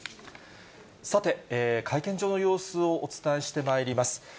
さて、会見場の様子をお伝えしてまいります。